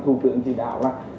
thủ tượng chỉ đạo là